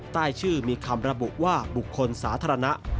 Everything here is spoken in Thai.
ใต้ชื่อมีคำระบุว่าบุคคลสาธารณะ